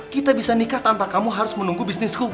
kita bisa nikah tanpa kamu harus menunggu bisnis google